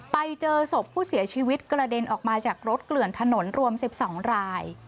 ไปเจอศพผู้เสียชีวิตกระเด็นออกมาจากรถเกลื่อนถนนรวม๑๒ราย